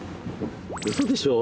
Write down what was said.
うそでしょ？